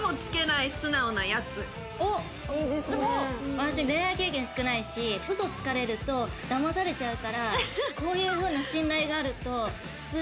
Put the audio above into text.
私恋愛経験少ないし嘘つかれるとだまされちゃうからこういう風な信頼があるとすごい楽かも。